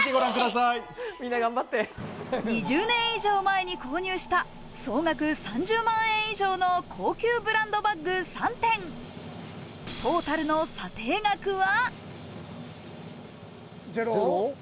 ２０年以上前に購入した総額３０万円以上の高級ブランドバッグ３点、トータルの査定額は？